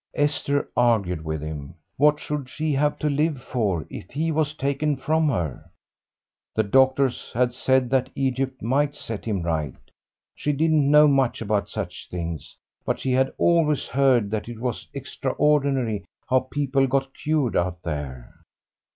Esther argued with him. What should she have to live for if he was taken from her. The doctors had said that Egypt might set him right. She didn't know much about such things, but she had always heard that it was extraordinary how people got cured out there.